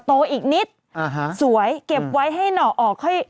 โตอีกนิดสวยเก็บไว้ให้หน่อออกค่อย